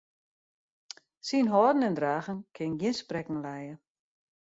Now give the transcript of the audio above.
Syn hâlden en dragen kin gjin sprekken lije.